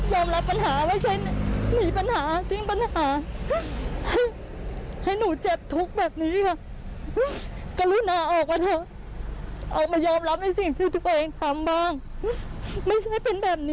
ถ้าเขามาขอคุณดีจะมีการพูดกันไหมครับ